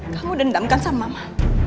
kamu dendamkan sama mama